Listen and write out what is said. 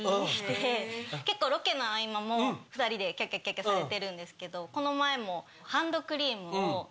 結構ロケの合間も２人でキャッキャキャッキャされてるんですけどこの前も。